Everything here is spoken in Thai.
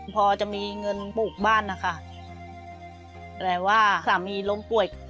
พอจะมีเงินปลูกบ้านนะคะแต่ว่าสามีล้มป่วย